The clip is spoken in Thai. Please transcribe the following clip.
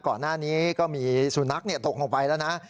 ก่อนหน้านี้ก็มีสุนัขตกลงไปแล้วนะ